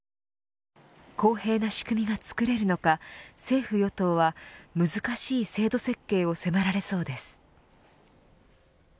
公平な仕組みがつくれるのか政府与党は、難しい制度設計を迫られそうです。